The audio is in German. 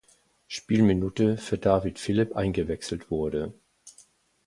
Spielminute für David Philipp eingewechselt wurde.